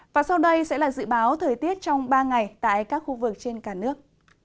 và sau đây sẽ là dự báo thời tiết trong ba ngày tại các khu vực trên cả nước